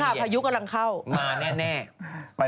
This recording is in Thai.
สนุนโดยดีที่สุดคือการให้ไม่สิ้นสุด